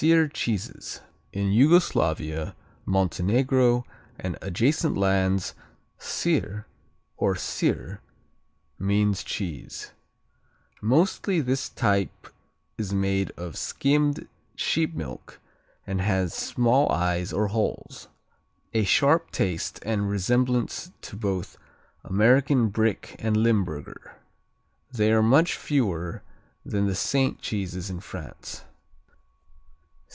Sir cheeses In Yugoslavia, Montenegro and adjacent lands Sir or Cyr means cheese. Mostly this type is made of skimmed sheep milk and has small eyes or holes, a sharp taste and resemblance to both American Brick and Limburger. They are much fewer than the Saint cheeses in France.